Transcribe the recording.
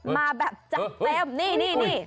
มาแบบจัดเต็มนี่